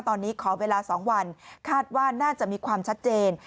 ตอนนี้ขอเวลา๒วันคาดว่าน่าจะมีความชัดเจน